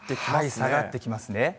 下がってきますね。